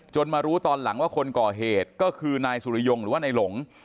มารู้ตอนหลังว่าคนก่อเหตุก็คือนายสุริยงหรือว่านายหลง